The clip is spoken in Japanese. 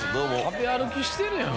食べ歩きしてるやん。